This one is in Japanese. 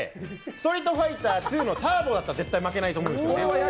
「ストリートファイターⅡＴＵＲＢＯ」だったら絶対負けないと思うんですね。